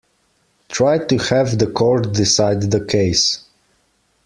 Try to have the court decide the case.